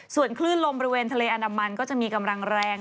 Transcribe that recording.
ส่วนคลื่นลมบริเวณทะเลอันดามันก็จะมีกำลังแรง